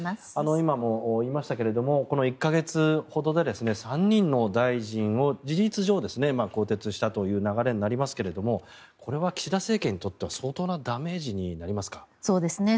今も言いましたがこの１か月ほどで３人の大臣を事実上、更迭したという流れになりますがこれは岸田政権にとっては相当なダメージになりますか？